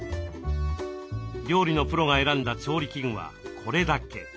料理のプロが選んだ調理器具はこれだけ。